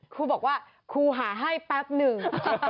ครูบอกว่าครูหาให้แป๊บหนึ่ง